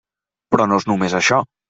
Però no és només això.